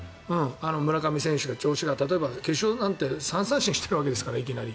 村上選手が調子が例えば決勝なんて３三振しているわけですからいきなり。